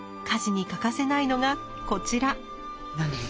家事に欠かせないのがこちら。